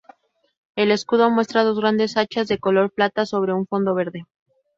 El escudo muestra dos grandes hachas de color plata sobre un fondo verde.